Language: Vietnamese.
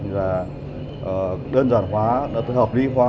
và đơn giản hóa hợp lý hóa